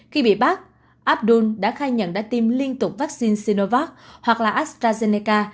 khi bị bắt abdul đã khai nhận đã tiêm liên tục vaccine sinovac hoặc astrazeneca